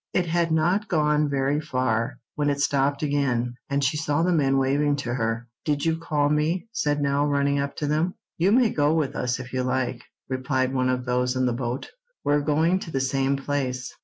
It had not gone very far when it stopped again, and she saw the men waving to her. "Did you call me?" said Nell, running up to them. "You may go with us if you like," replied one of those in the boat. "We're going to the same place."